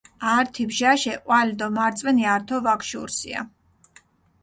ართი ბჟაშე ჸვალი დო მარწვენი ართო ვაგშუურსია